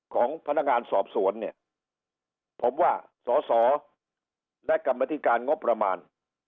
ของพนักงานสอบสวนเนี่ยผมว่าสอสอและกรรมธิการงบประมาณ